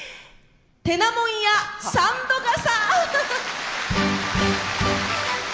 「てなもんや三度笠」！